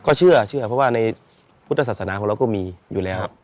ก็เชื่อเพราะว่าในพุทธศาสนาของเราก็มีอยู่แล้ว